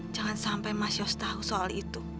jangan sampai mas yos tahu soal itu